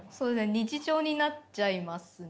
日常になっちゃいますね。